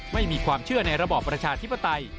ไม่มีความเชื่อในระบอบประชาธิปไตย